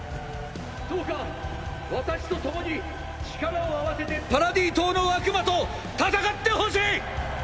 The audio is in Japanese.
どうか私と共に力を合わせてパラディ島の悪魔と戦ってほしい！！